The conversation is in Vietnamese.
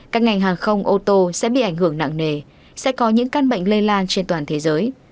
các ngành hàng không ô tô sẽ bị ảnh hưởng nặng nề sẽ có những căn bệnh lây lan trên toàn thế giới